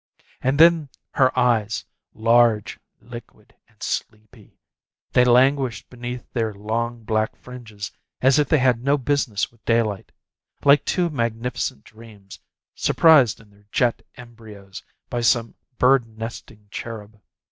And then her eyes large, liquid and sleepy they languished beneath their long black fringes as if they had no business with daylight like two magnificent dreams, surprised in their jet embryos by some bird nesting cherub.